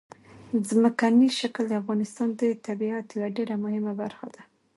ځمکنی شکل د افغانستان د طبیعت یوه ډېره مهمه برخه ده.